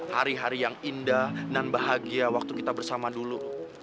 hari hari yang indah dan bahagia waktu kita bersama dulu